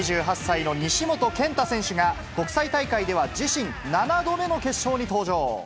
２８歳の西本拳太選手が、国際大会では自身７度目の決勝に登場。